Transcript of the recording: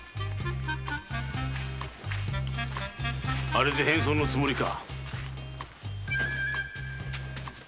あれで変装のつもりか。